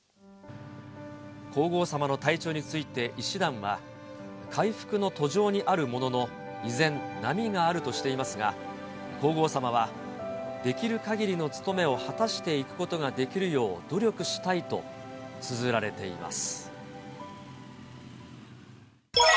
皇后さまの体調について、医師団は、回復の途上にあるものの、依然、波があるとしていますが、皇后さまは、できるかぎりの務めを果たしていくことができるよう努力したいとつづられています。